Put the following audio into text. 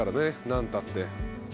何たって。